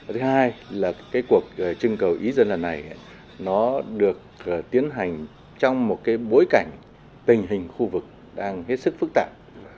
thứ hai là cái cuộc trưng cầu ý dân lần này nó được tiến hành trong một bối cảnh tình hình khu vực đang hết sức phức tạp